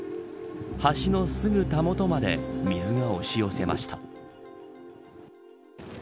橋の、すぐたもとまで水が押し寄せました。